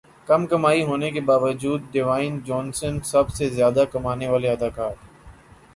کم کمائی ہونے کے باوجود ڈیوائن جونسن سب سے زیادہ کمانے والے اداکار